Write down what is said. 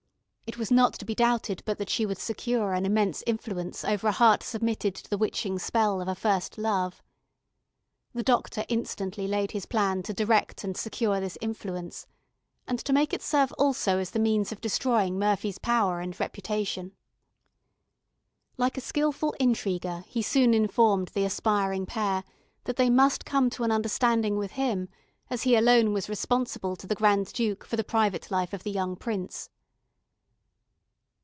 It was not to be doubted but that she would secure an immense influence over a heart submitted to the witching spell of a first love. The doctor instantly laid his plan to direct and secure this influence, and to make it serve also as the means of destroying Murphy's power and reputation. Like a skilful intriguer, he soon informed the aspiring pair that they must come to an understanding with him, as he alone was responsible to the Grand Duke for the private life of the young prince.